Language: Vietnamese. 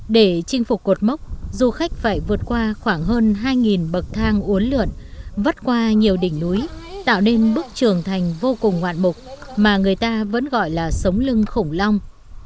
để chinh phục cột mốc du khách phải vượt qua khoảng hơn hai bậc thang uốn lượn vắt qua nhiều đỉnh núi tạo nên bức trường thành vô cùng hoạn mục mà người ta vẫn gọi là sống lưng khủng long